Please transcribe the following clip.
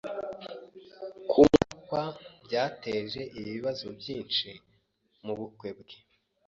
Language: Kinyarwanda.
Kunywa kwa byateje ibibazo byinshi mubukwe bwe.